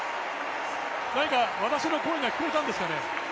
何か、私の声が聞こえたんですかね